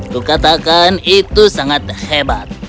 kukatakan itu sangat hebat